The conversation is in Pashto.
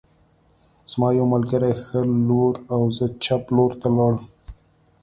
زما یو ملګری ښي لور او زه چپ لور ته لاړم